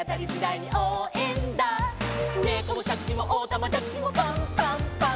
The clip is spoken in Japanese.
「ねこもしゃくしもおたまじゃくしもパンパンパン！！」